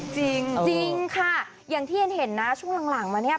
จริงจริงค่ะอย่างที่เห็นนะช่วงหลังมาเนี่ย